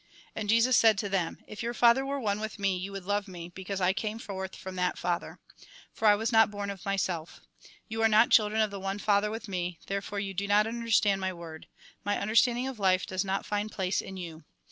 And Jesus said to them :" If your father were one with me, you would love me, because I came forth from that Father. For I was not born of myself. You are not children of the one Father with me, therefore you do not understand my word ; my understanding of life does not find place in you.